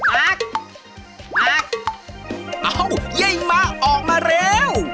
อ้าวไยมะออกมาเร็ว